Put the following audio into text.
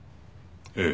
ええ。